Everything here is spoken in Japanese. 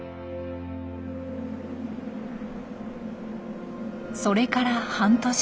それから半年後。